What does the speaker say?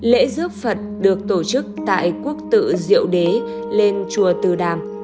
lễ dước phật được tổ chức tại quốc tự diệu đế lên chùa từ đàm